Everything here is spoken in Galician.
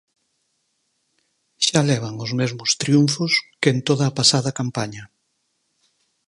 Xa levan os mesmos triunfos que en toda a pasada campaña.